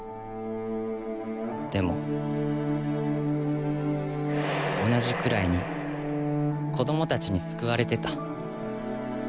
でも同じくらいに子供たちに救われてた。